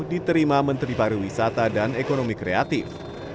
diterima menteri pariwisata dan ekonomi kreatif